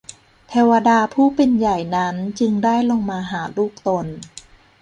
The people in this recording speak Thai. เทวดาผู้เป็นใหญ่นั้นจึงได้ลงมาหาลูกตน